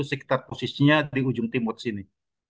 sekitar posisinya di ujung timur sini